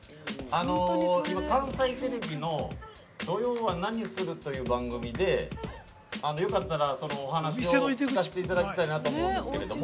今、関西テレビの「土曜はナニする！？」という番組で、よかったら、お話しを聞かせていただきたいなと思うんですけれども。